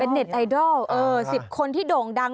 เน็ตไอดอล๑๐คนที่โด่งดัง